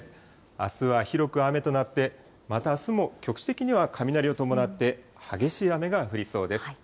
あすは広く雨となって、またあすも局地的には雷を伴って、激しい雨が降りそうです。